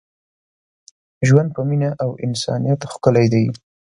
ژوند په مینه او انسانیت ښکلی دی.